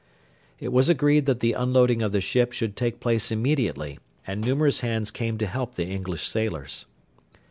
It was agreed that the unloading of the ship should take place immediately, and numerous hands came to help the English sailors.